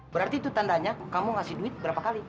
berarti itu tandanya kamu ngasih duit berapa kali